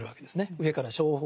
上から正法